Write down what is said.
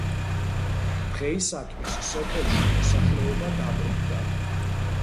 დღეისათვის სოფელში მოსახლეობა დაბრუნდა.